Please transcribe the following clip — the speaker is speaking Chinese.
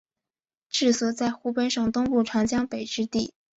治所在湖北省东部长江北之地。